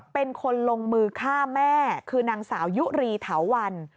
เป็นคนลงมือฆ่าแม่คือนางสาวยุรีเถาวัน